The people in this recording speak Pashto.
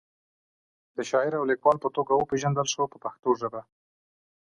د شاعر او لیکوال په توګه وپیژندل شو په پښتو ژبه.